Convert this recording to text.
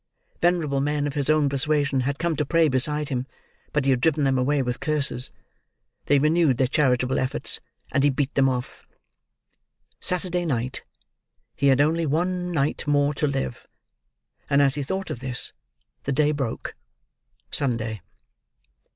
Venerable men of his own persuasion had come to pray beside him, but he had driven them away with curses. They renewed their charitable efforts, and he beat them off. Saturday night. He had only one night more to live. And as he thought of this, the day broke—Sunday.